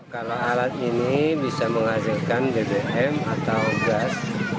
kalau alat ini bisa menghasilkan bbm atau gas